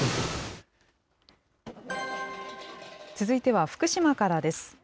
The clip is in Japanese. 続いては福島からです。